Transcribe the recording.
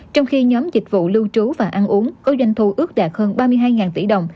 trong khi nhóm dịch vụ lưu trú và ăn uống có doanh thu ước đạt hơn ba mươi hai tỷ đồng